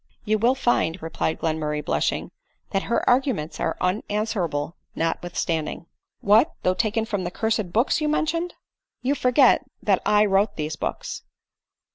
•' You will find," replied Glenmurray, blushing, " that her arguments are unanswerable notwithstanding." " What, though taken from the cursed books you men tioned ?" 9* 98 ADELINE MOWBRAY, " You forget that I wrote these books.".